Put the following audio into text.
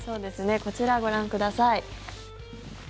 こちら、ご覧ください。